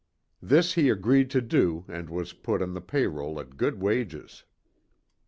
This he agreed to do, and was put on the pay roll at good wages.